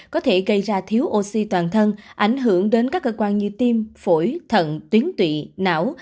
có thể gây ra thiếu oxy toàn thân ảnh hưởng đến các cơ quan như tim phổi thận tuyến tụy não